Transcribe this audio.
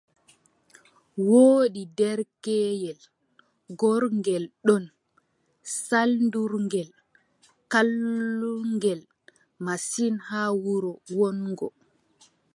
Woodi derkeyel gorngel ɗon, saldorngel, kallungel masin haa wuro wonngo.